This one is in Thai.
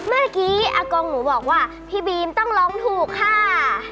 เมื่อกี้อากงหนูบอกว่าพี่บีมต้องร้องถูกค่ะ